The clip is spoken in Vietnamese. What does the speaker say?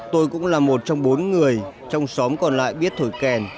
tôi cũng là một trong bốn người trong xóm còn lại biết thổi kèn